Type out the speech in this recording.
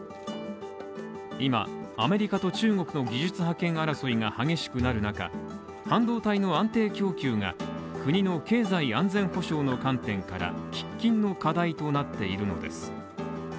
今、アメリカと中国の技術覇権争いが激しくなる中、半導体の安定供給が国の経済安全保障の観点から、喫緊の課題となっているのです。